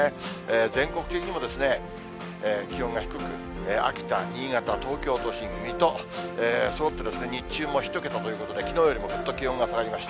全国的にも気温が低く、秋田、新潟、東京都心、水戸、そろってですね、日中も１桁ということで、きのうよりもぐっと気温が下がりました。